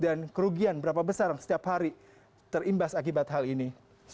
dan kerugian berapa besar setiap hari terimbas akibat hal ini